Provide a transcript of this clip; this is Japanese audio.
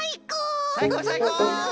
さいこうさいこう！